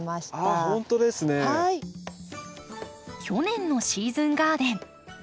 去年のシーズンガーデン。